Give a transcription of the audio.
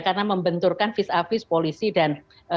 karena membenturkan vis a vis polisi dan